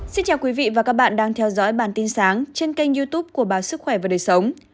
xin chào quý vị và các bạn đang theo dõi bản tin sáng trên kênh youtube của báo sức khỏe và đời sống